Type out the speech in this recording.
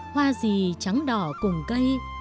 hoa gì trắng đỏ cùng cây